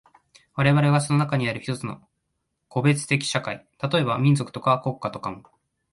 我々がその中にある一つの個別的社会、例えば民族とか国家とかも、